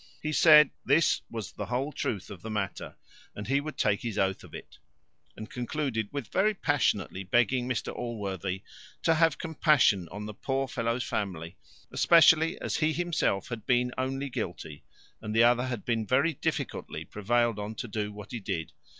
He said, "This was the whole truth of the matter, and he would take his oath of it;" and concluded with very passionately begging Mr Allworthy "to have compassion on the poor fellow's family, especially as he himself only had been guilty, and the other had been very difficultly prevailed on to do what he did.